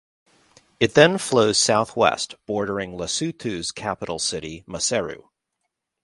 It then flows south-west bordering Lesotho's capital city, Maseru.